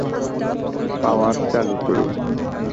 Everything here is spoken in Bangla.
পাওয়ার চালু করুন।